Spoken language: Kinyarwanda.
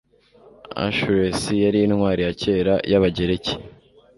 Achilles yari intwari ya kera y'Abagereki.